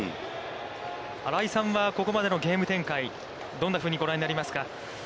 新井さんはここまでのゲーム展開、どんなふうにご覧になりますか。